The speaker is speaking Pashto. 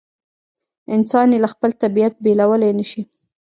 انسان یې له خپل طبیعت بېلولای نه شي.